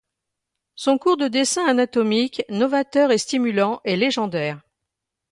Son cours de dessin anatomique novateur et stimulant est légendaire.